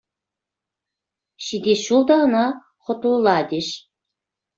Ҫитес ҫул та ӑна хӑтлӑлатӗҫ.